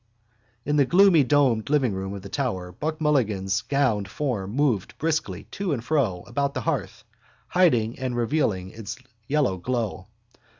In the gloomy domed livingroom of the tower Buck Mulligan's gowned form moved briskly to and fro about the hearth, hiding and revealing its yellow glow.